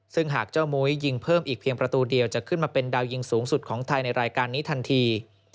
ซึ่งหากเจ้ามุ้ยยิงเพิ่มอีกเพียงประตูเดียวจะขึ้นมาเป็นดาวยิงสูงสุดของไทยในรายการนี้ทันที